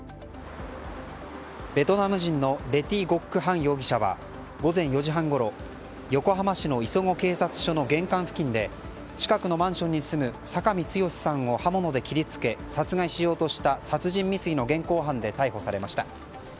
ベトナム人のレ・ティ・ゴック・ハン容疑者は午前４時半ごろ横浜市の磯子警察署の玄関付近で近くのマンションに住む酒見剛さんを刃物で切り付け殺害しようとした殺人未遂の現行犯で逮捕されました。